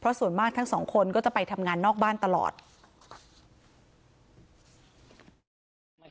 เพราะไม่เคยถามลูกสาวนะว่าไปทำธุรกิจแบบไหนอะไรยังไง